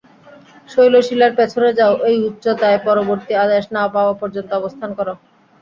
শৈলশিলার পেছনে যাও এই উচ্চতায় পরবর্তী আদেশ না পাওয়া পর্যন্ত অবস্থান করো।